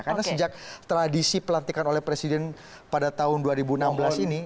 karena sejak tradisi pelantikan oleh presiden pada tahun dua ribu enam belas ini